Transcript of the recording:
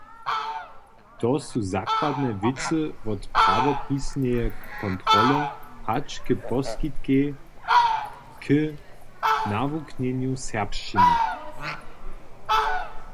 To su zakładne wěcy wot prawopisneje kontrole hač k poskitkej k nawuknjenju serbšćiny.